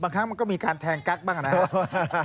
ครั้งมันก็มีการแทงกั๊กบ้างนะครับ